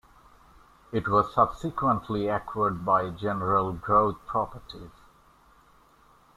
It was subsequently acquired by General Growth Properties.